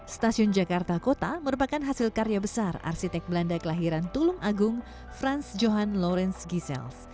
stasiun jakarta kota merupakan hasil karya besar arsitek belanda kelahiran tulung agung frans johan lawrence gisels